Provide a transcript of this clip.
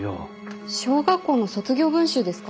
小学校の卒業文集ですか？